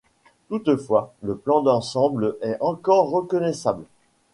Toutefois, le plan d'ensemble est encore reconnaissable.